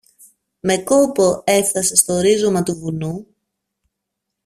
Με κόπο έφθασε στο ρίζωμα του βουνού